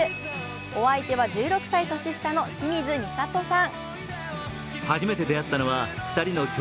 お相手は１６歳年下の清水みさとさん。